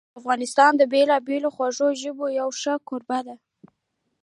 افغانستان د بېلابېلو خوږو ژبو یو ښه کوربه ده.